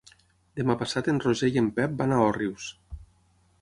Demà passat en Roger i en Pep van a Òrrius.